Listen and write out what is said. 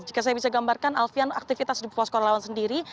jika saya bisa gambarkan alfian aktivitas di posko relawan sendiri